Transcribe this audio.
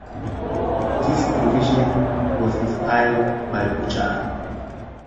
This provision was inspired by Bouchard.